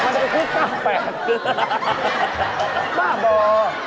มันเป็นกิ้งก้าวแปด